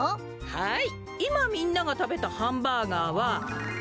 はい！